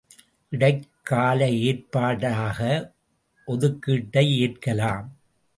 இடைக்கால ஏற்பாடாக ஒதுக்கீட்டை ஏற்கலாம்.